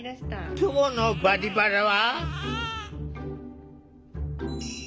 今日の「バリバラ」は。